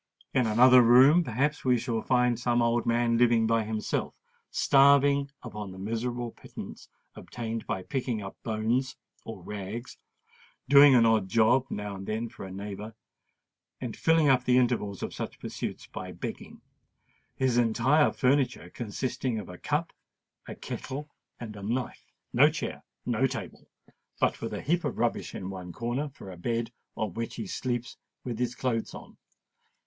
In another room, perhaps, we shall find some old man, living by himself—starving upon the miserable pittance obtained by picking up bones or rags, doing an odd job now and then for a neighbour, and filling up the intervals of such pursuits by begging,—his entire furniture consisting of a cup, a kettle, and a knife—no chair, no table—but with a heap of rubbish in one corner for a bed, on which he sleeps with his clothes on.